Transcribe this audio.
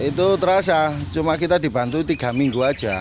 itu terasa cuma kita dibantu tiga minggu aja